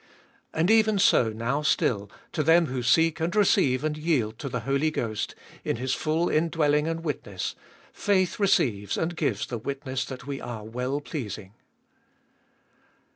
And even so now still, to them who seek and receive and yield to the Holy Ghost, in His full indwelling and witness, faith receives and gives the witness that we are well pleasing.